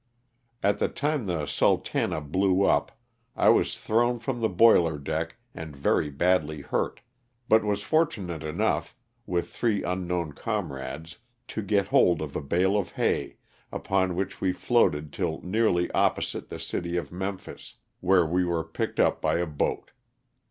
At the time the '^ Sultana" blew up I was thrown from the boiler deck and very badly hurt, but was fortunate enough, with three unknown comrades, to get hold of a bale of hay, upon which we floated till nearly opposite the city of Memphis, where we were picked up by a boat.